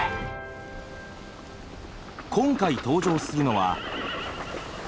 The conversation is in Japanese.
今回登場するのは。